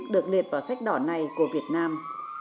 được liệt vào sách đỏ này của việt nam